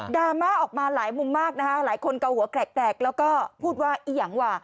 ราม่าออกมาหลายมุมมากนะคะหลายคนเกาหัวแกรกแล้วก็พูดว่าอียังว่ะ